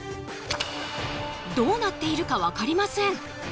どうなっているか分かりません。